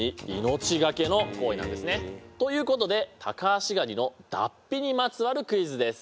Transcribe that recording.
ということでタカアシガニの脱皮にまつわるクイズです。